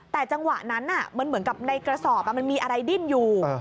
แต่จังหวะนั้นมันเหมือนกับในกระสอบมันมีอะไรดิ้นอยู่